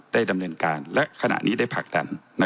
ได้ดำเนินการและขณะนี้ได้ผลักดัน